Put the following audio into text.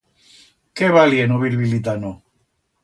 Qué valient o bilbilitano!